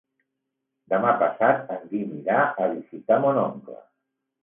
Demà passat en Guim irà a visitar mon oncle.